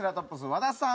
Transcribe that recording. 和田さん